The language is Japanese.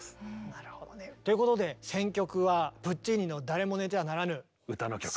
なるほどね。ということで選曲はプッチーニの「誰も寝てはならぬ」。歌の曲。